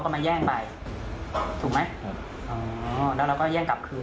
อ๋อเมาด้วย